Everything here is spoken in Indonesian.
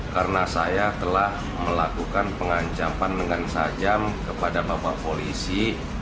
karena saya telah melakukan pengancapan dengan tajam kepada bapak polisi